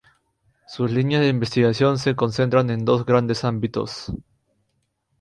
Sus líneas de investigación se concentran en dos grandes ámbitos.